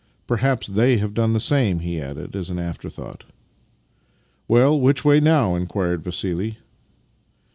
Perhaps they have done the same," he added, as an afterthought. " Well, which way now? " inquired Vassili.